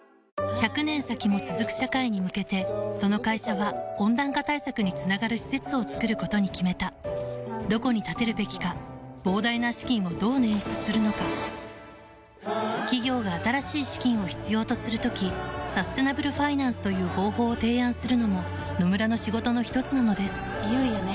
１００年先も続く社会に向けてその会社は温暖化対策につながる施設を作ることに決めたどこに建てるべきか膨大な資金をどう捻出するのか企業が新しい資金を必要とする時サステナブルファイナンスという方法を提案するのも野村の仕事のひとつなのですいよいよね。